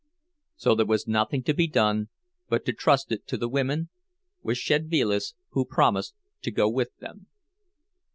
So there was nothing to be done but to trust it to the women, with Szedvilas, who promised to go with them.